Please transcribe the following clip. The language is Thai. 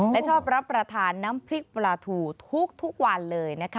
และชอบรับประทานน้ำพริกปลาทูทุกวันเลยนะคะ